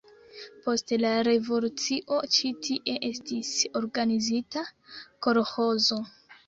Post la revolucio ĉi tie estis organizita kolĥozo.